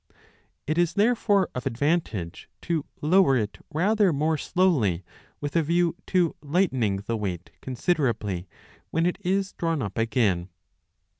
It is therefore of advantage to lower it rather more 857 b slowly with a view to lightening the weight considerably 1 Ch. i. 857 b MECHANICA when it is drawn up again.